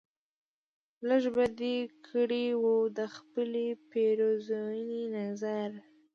لږ به دې کړی و دخپلې پیرزوینې نظر